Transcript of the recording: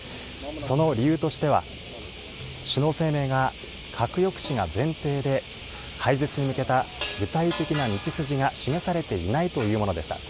その理由としては、首脳声明が核抑止が前提で、廃絶に向けた具体的な道筋が示されていないというものでした。